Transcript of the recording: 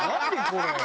これ。